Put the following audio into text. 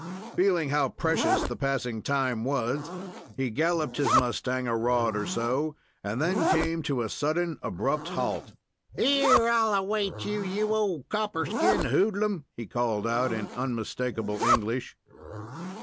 Feeling how precious the passing time was, he galloped his mustang a rod or so and then came to a sudden abrupt halt. "Here I'll await you, you old copper skinned hoodlum!" he called out, in unmistakable English.